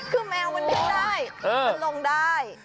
คือแมวมันนิ่งได้มันลงได้